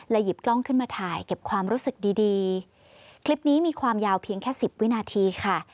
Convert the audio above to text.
หยิบกล้องขึ้นมาถ่ายเก็บความรู้สึกดีดีคลิปนี้มีความยาวเพียงแค่สิบวินาทีค่ะ